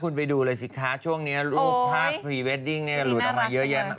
คุณไปดูเลยสิคะช่วงนี้รูปภาพพรีเวดดิ้งเนี่ยหลุดออกมาเยอะแยะมาก